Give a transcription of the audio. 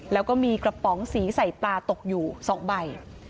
แล้วก็มีกระป๋องสีใส่ปลาตกอยู่๒ใบ